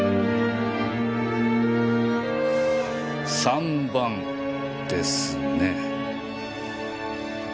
３番ですね？